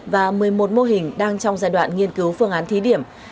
và một mươi một mô hình đang trong giai đoạn nghiên cứu phương án thí điểm